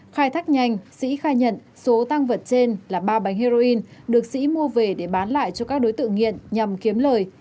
khai thác nhanh sĩ khai nhận số tăng vật trên là ba bánh heroin được sĩ mua về để bán lại cho các đối tượng nghiện nhằm kiếm lời